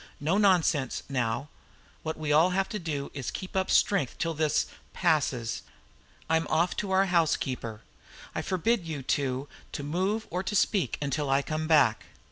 No nonsense, now. What we've all got to do is to keep up strength till this passes. I'm off to our housekeeper. I forbid you two to move or to speak until I come back."